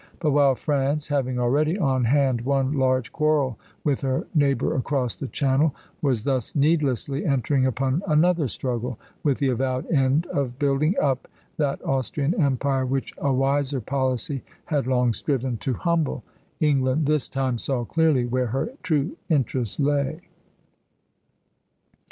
But while France, having already on hand one large quarrel with her neighbor across the Channel, was thus needlessly entering upon another struggle, with the avowed end of building up that Austrian empire which a wiser policy had long striven to humble, England this time saw clearly where her true interests lay.